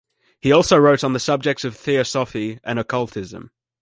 He also wrote on the subjects of theosophy and occultism.